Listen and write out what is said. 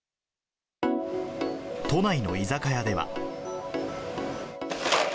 都内の居酒屋では。